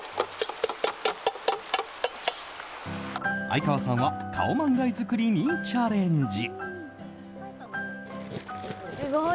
相川さんはカオマンガイ作りにチャレンジ。